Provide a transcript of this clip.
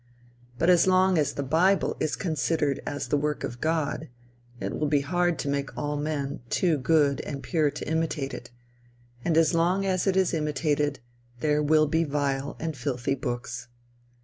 But as long as the bible is considered as the work of God, it will be hard to make all men too good and pure to imitate it; and as long as it is imitated there will be vile and filthy books.